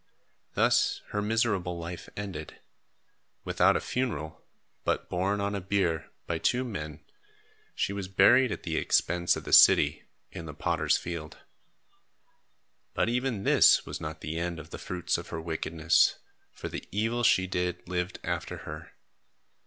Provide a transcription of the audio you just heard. Thus her miserable life ended. Without a funeral, but borne on a bier, by two men, she was buried at the expense of the city, in the potter's field. But even this was not the end of the fruits of her wickedness, for the evil she did lived after her.